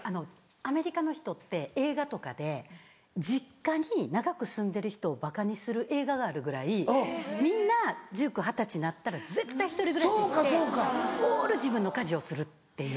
アメリカの人って映画とかで実家に長く住んでる人をばかにする映画があるぐらいみんな１９歳二十歳になったら絶対１人暮らししてオール自分の家事をするっていう。